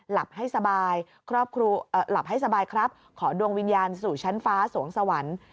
หลับให้สบายครับขอดวงวิญญาณสู่ชั้นฟ้าสวงสวรรค์